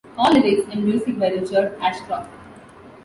All lyrics and music by Richard Ashcroft.